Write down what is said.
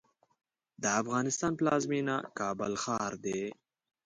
د افغانستان پلازمېنه کابل ښار دی.